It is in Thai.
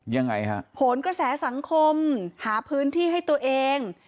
ยังไงฮะโหนกระแสสังคมหาพื้นที่ให้ตัวเอง